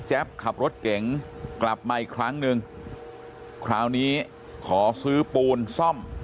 ขับรถเก๋งกลับมาอีกครั้งหนึ่งคราวนี้ขอซื้อปูนซ่อม